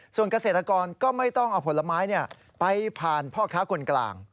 ส่วนเกษตรกรก็ไม่ต้องเอาผลไม้ไปผ่านพ่อค้าคนกลาง